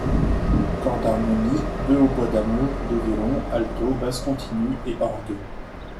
Cor d'harmonie, deux hautbois d'amour, deux violons, alto, basse continue et orgue.